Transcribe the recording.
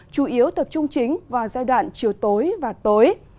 chủ yếu tập trung chính vào giai đoạn chiều tối và tối